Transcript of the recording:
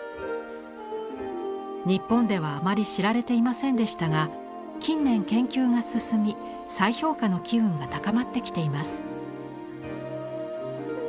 日本ではあまり知られていませんでしたが近年研究が進み再評価の機運が高まってきています。